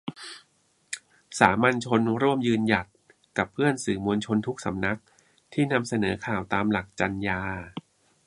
สามัญชน ร่วมยืนหยัด กับเพื่อนสื่อมวลชนทุกสำนัก ที่นำเสนอข่าวตามหลักจรรยา